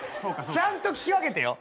ちゃんと聞き分けてよ。